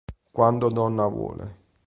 Quando donna vuole